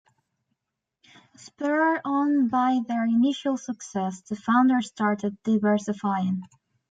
Spurred on by their initial success, the founders started diversifying.